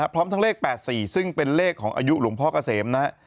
พร้อมทั้งเลข๘๔ซึ่งเป็นเลขของอายุหลวงพ่อเกษมนะครับ